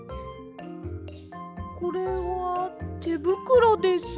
これはてぶくろです。